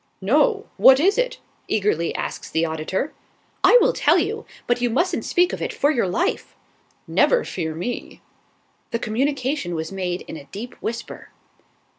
"No. What is it?" eagerly asks the auditor. "I will tell you; but you mustn't speak of it, for your life." "Never fear me." The communication was made in a deep whisper.